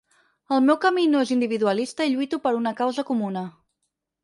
El meu camí no és individualista i lluito per una causa comuna.